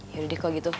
yaudah deh kalo gitu